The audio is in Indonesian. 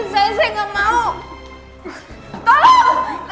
kalau ragu mohong bisa dihukum ya